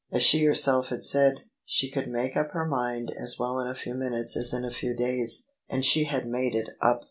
As she herself had said, she could make up her mind as well in a few minutes as in a few days: and she had made it up.